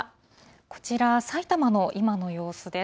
こちら、埼玉の今の様子です。